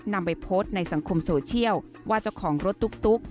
นำไปโพสต์ในสังคมโซเชียลว่าเจ้าของรถตุ๊ก